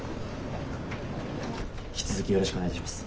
引き続きよろしくお願いします。